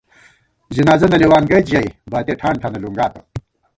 ځِنازہ نہ لېوان گئیت ژَئی باتِیَہ ٹھان ٹھانہ لُنگاتہ